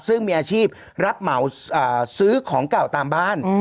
ซึ่งมีอาชีพรับเหมาซื้อของเก่าตามบ้าน